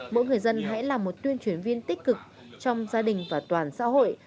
mỗi người dân hãy là một tuyên truyền viên tích cực trong gia đình và toàn xã hội